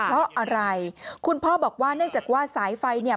เพราะอะไรคุณพ่อบอกว่าเนื่องจากว่าสายไฟเนี่ย